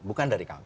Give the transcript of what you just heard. bukan dari kamu